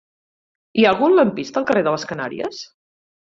Hi ha algun lampista al carrer de les Canàries?